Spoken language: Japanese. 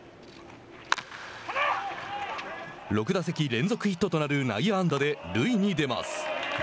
６打席連続ヒットとなる内野安打で塁に出ます。